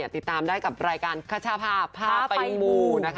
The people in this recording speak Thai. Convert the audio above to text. ติดตามได้กับรายการคชาภาพพาไปมูนะคะ